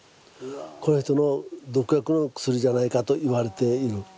これはその毒薬の薬じゃないかと言われている。